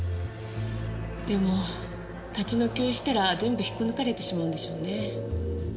でも立ち退きをしたら全部引っこ抜かれてしまうんでしょうね。